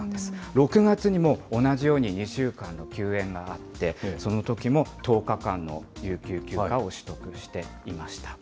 ６月にも同じように２週間の休園があって、そのときも１０日間の有給休暇を取得していました。